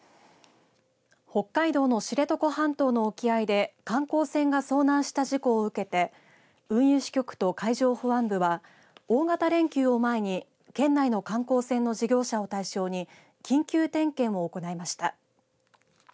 北海道の知床半島の沖合で観光船が遭難した事故を受けて運輸支局と海上保安部は大型連休を前に県内の観光船の事業者を対象に緊急点検を行いました。